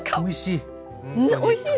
おいしい！